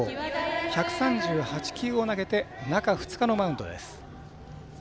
１３８球を投げて中２日のマウンドです。